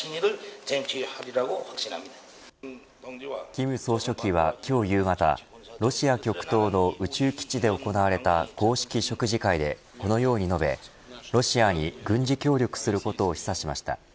金総書記は、今日夕方ロシア極東の宇宙基地で行われた公式食事会でこのように述べロシアに軍事協力することを示唆しました。